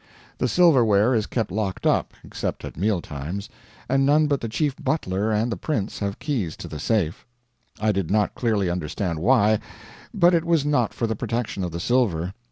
The silverware is kept locked up, except at meal times, and none but the chief butler and the prince have keys to the safe. I did not clearly understand why, but it was not for the protection of the silver.